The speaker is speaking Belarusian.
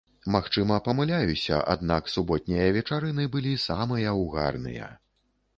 Магчыма, памыляюся, аднак суботнія вечарыны былі самыя ўгарныя.